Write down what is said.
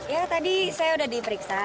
ya tadi saya sudah diperiksa